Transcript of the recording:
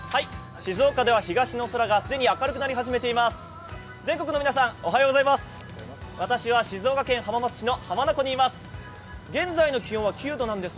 静岡では東の空が既に明るくなり始めています。